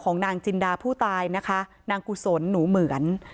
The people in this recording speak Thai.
นางจินดาผู้ตายนะคะนางกุศลหนูเหมือน